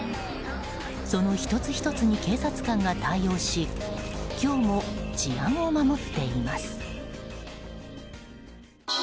その１つ１つに警察官が対応し今日も治安を守っています。